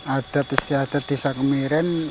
adat istiadat desa kemiren